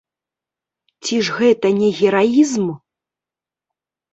Ці ж гэта не гераізм?